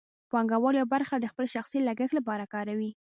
پانګوال یوه برخه د خپل شخصي لګښت لپاره کاروي